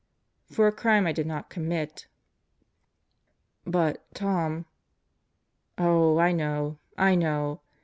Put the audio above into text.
For a crime I did not commit." "But, Tom ..." "Oh, I know. I know.